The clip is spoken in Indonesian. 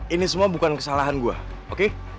ini semua bukan kesalahan gue oke